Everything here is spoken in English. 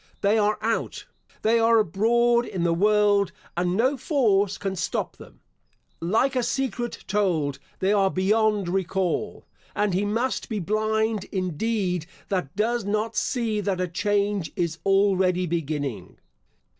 They are out. They are abroad in the world, and no force can stop them. Like a secret told, they are beyond recall; and he must be blind indeed that does not see that a change is already beginning.